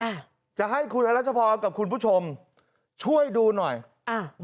อ่ะจะให้คุณอรัชพรกับคุณผู้ชมช่วยดูหน่อยอ่า